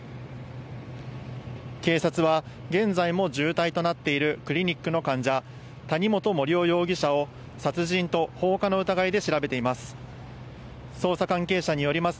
警察は、現在も重体となっているクリニックの患者、谷本盛雄容疑者を殺人と放火の疑いで調べています。